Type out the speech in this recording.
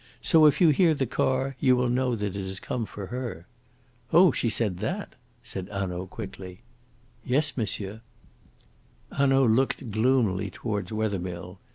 So if you hear the car you will know that it has come for her.'" "Oh, she said that!" said Hanaud quickly. "Yes, monsieur." Hanaud looked gloomily towards Wethermill.